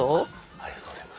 ありがとうございます。